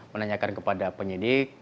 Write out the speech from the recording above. menanyakan kepada penyidik